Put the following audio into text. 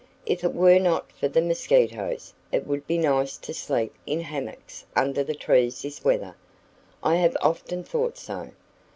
If it were not for the mosquitoes, it would be nice to sleep in hammocks under the trees this weather." "I have often thought so.